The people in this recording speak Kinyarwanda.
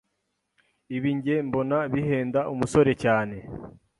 ibi njye mbona bihenda umusore cyane,